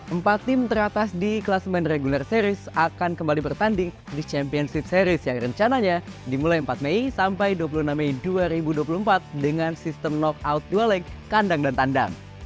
empat tim teratas di kelas men regular series akan kembali bertanding di championship series yang rencananya dimulai empat mei sampai dua puluh enam mei dua ribu dua puluh empat dengan sistem knockout dual leg kandang dan tandang